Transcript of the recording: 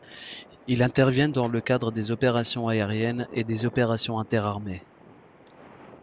Ils interviennent dans le cadre des opérations aériennes et des opérations interarmées.